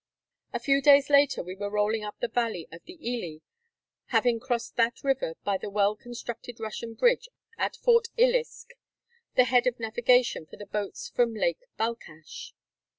A few days later we were rolling up the valley of the Hi, having crossed that river by the well constructed Russian bridge at Fort Iliysk, the head of navigation for the boats from Lake Balkash.